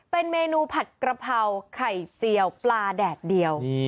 เป็นเมนูผัดกระเพราไข่เจียวปลาแดดเดียว